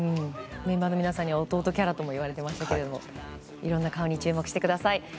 メンバーの皆さんには弟キャラとも言われてましたがいろんな顔に注目してください。